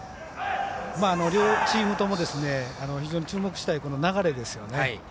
両チームとも非常に注目したい流れですよね。